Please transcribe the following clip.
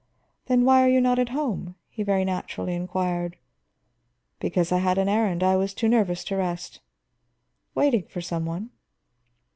"Then why are you not at home?" he very naturally inquired. "Because I had an errand; I was too nervous to rest." "Waiting for some one?"